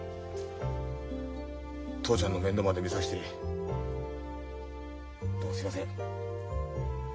父ちゃんの面倒まで見させてどうもすみません。